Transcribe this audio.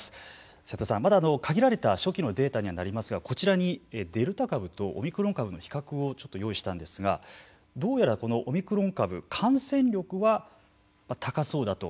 齋藤さん、まだ限られた初期のデータにはなりますがこちらにデルタ株とオミクロン株の比較を用意したんですがどうやらオミクロン株感染力は高そうだと。